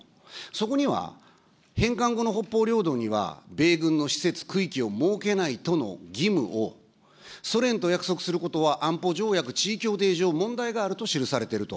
そこには、返還後の北方領土には米軍の施設・区域を設けないとの義務をソ連と約束することは安保条約地位協定上、問題があると記されていると。